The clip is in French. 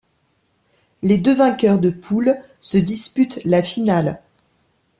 Les deux vainqueurs de poule se disputent la finale.